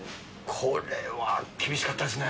これは厳しかったですね。